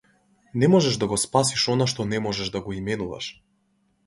Не можеш да го спасиш она што не можеш да го именуваш.